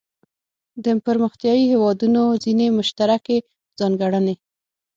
د پرمختیايي هیوادونو ځینې مشترکې ځانګړنې.